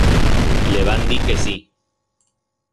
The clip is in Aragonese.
Y le van dir que sí.